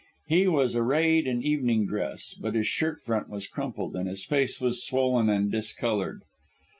He was arrayed in evening dress, but his shirt front was crumpled, and his face was swollen and discoloured.